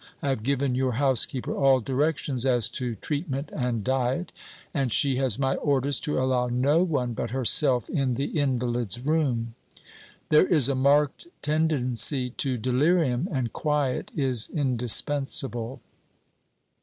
I have given your housekeeper all directions as to treatment and diet, and she has my orders to allow no one but herself in the invalid's room. There is a marked tendency to delirium, and quiet is indispensable."